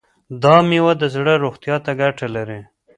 دا میوه د زړه روغتیا ته ګټه لري.